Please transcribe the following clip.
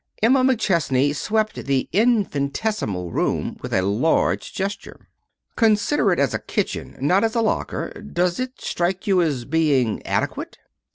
Emma McChesney swept the infinitesimal room with a large gesture. "Considering it as a kitchen, not as a locker, does it strike you as being adequate?"